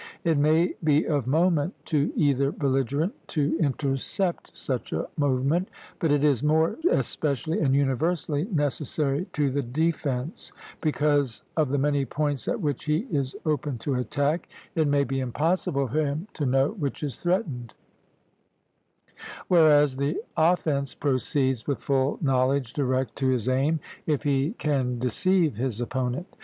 It may be of moment to either belligerent to intercept such a movement; but it is more especially and universally necessary to the defence, because, of the many points at which he is open to attack, it may be impossible for him to know which is threatened; whereas the offence proceeds with full knowledge direct to his aim, if he can deceive his opponent.